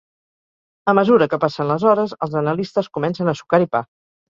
A mesura que passen les hores, els analistes comencen a sucar-hi pa.